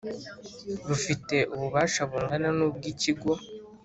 rufite ububasha bungana n ubw Ikigo